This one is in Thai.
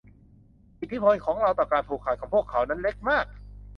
อิทธิพลของเราต่อการผูกขาดของพวกเขานั้นเล็กมาก